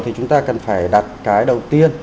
thì chúng ta cần phải đặt cái đầu tiên